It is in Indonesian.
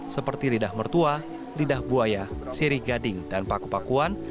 seperti lidah mertua lidah buaya sirigading dan paku pakuan